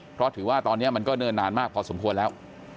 เพราะถือว่าตอนนี้มันก็เนิ่นนานมากพอสมควรแล้ว